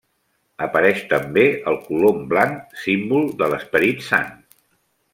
Apareix també el colom blanc, símbol de l'Esperit Sant.